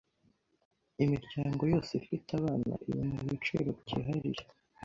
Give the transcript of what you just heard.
Imiryango yose ifite abana ibona ibiciro byihariye.